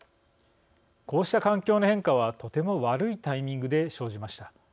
こうした環境の変化はとても悪いタイミングで生じました。